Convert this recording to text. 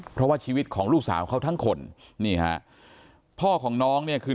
เพราะว่าชีวิตของลูกสาวเขาทั้งคนนี่ฮะพ่อของน้องเนี่ยคือ